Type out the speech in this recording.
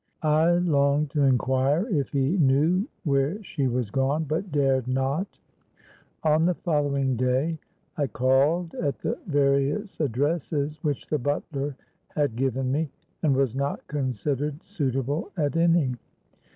I longed to enquire if he knew where she was gone, but dared not. On the following day I called at the various addresses which the butler had given me, and was not considered suitable at any.